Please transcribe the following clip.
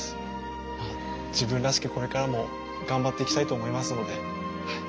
まあ自分らしくこれからも頑張っていきたいと思いますのではい